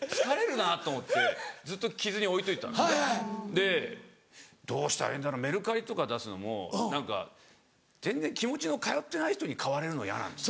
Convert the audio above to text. でどうしたらいいんだろうメルカリとか出すのも何か全然気持ちの通ってない人に買われるの嫌なんです。